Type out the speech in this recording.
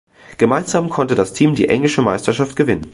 Gemeinsam konnte das Team die englische Meisterschaft gewinnen.